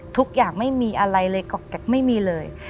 ทุกอย่างไม่มีอะไรเลย